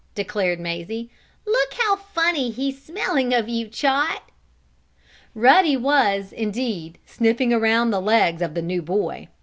declared Mazie. "Look how funny he's smelling of you, Chot." Ruddy was, indeed, sniffing around the legs of the new boy.